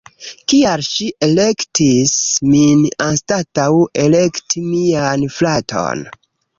Kial ŝi elektis min anstataŭ elekti mian fraton?